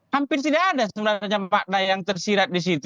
hampir tidak ada sebenarnya makna yang tersirat di situ